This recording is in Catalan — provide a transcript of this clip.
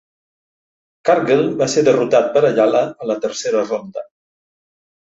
Cargle va ser derrotat per Ayala a la tercera ronda.